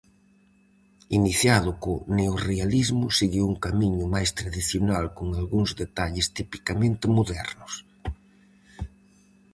Iniciado co Neorrealismo, seguiu un camiño máis tradicional con algúns detalles tipicamente modernos.